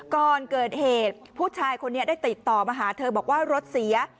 ก่อนเกิดเหตุผู้ชายคนนี้ได้ติดต่อมาหาเธอบอกว่ารถเสีย